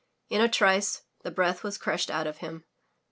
In a trice the breath was crushed out of him.